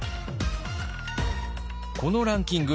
このランキング